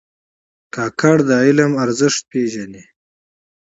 کاکړ د علم ارزښت پېژني.